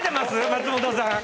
松本さん。